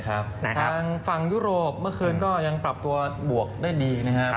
ทางฝั่งยุโรปเมื่อคืนก็ยังปรับตัวบวกได้ดีนะครับ